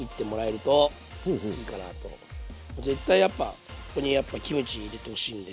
絶対やっぱここにやっぱキムチ入れてほしいんで。